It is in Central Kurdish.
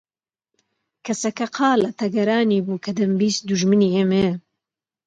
کەسەکە قالە تەگەرانی بوو کە دەمبیست دوژمنی ئێمەیە